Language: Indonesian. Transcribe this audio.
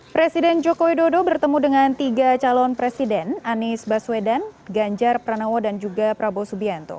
presiden joko widodo bertemu dengan tiga calon presiden anies baswedan ganjar pranowo dan juga prabowo subianto